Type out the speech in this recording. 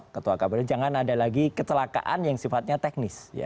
ketua kabinet jangan ada lagi kecelakaan yang sifatnya teknis